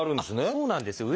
そうなんですよ。